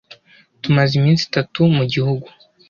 Tumaze iminsi itatu mu gihugu.